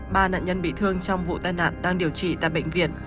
ba nạn nhân bị thương trong vụ tai nạn đang điều trị tại bệnh viện